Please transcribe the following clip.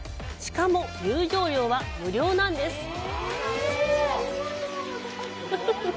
しかも、入場料は無料なんです。